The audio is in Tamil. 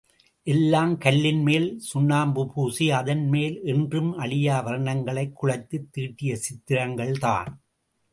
எல்லாம் கல்லின் மேல் சுண்ணாம்பு பூசி அதன் மேல் என்றும் அழியா வர்ணங்களைக் குழைத்துத் தீட்டிய சித்திரங்கள் தான்.